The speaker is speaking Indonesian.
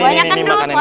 banyak kan duduk